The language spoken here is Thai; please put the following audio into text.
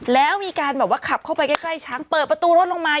แล้วมีการแบบว่าขับเข้าไปใกล้ช้างเปิดประตูรถลงมา